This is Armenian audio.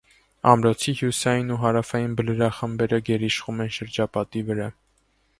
Ամրոցի հյուսիսային ու հարավային բլրախմբերը գերիշխում են շրջապատի վրա։